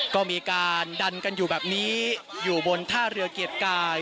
ก็มีการดันกันอยู่แบบนี้อยู่บนท่าเรือเกียรติกาย